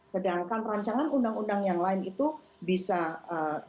sedangkan rancangan undang undang yang lain itu bisa ee